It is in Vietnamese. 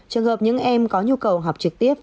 trường hợp những em có nhu cầu học trực tiếp